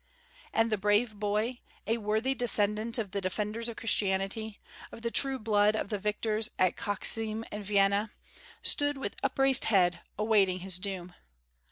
And the brave boy, a worthy descendant of the defenders of Christianity, of the true blood of the victors at Khoczim and Vienna, stood with upraised head, awaiting his doom.